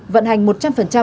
vận hành ngay lập tức